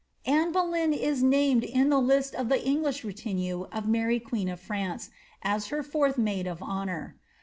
137 Anne Boleyn is named in the list of the English retinne of Mary quemi i)f Frmnce^ as her fourth maid of honour.